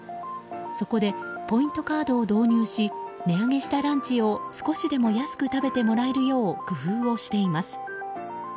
そこでポイントカードを導入し値上げしたランチを少しでも安く食べてもらえるよう工夫をしています。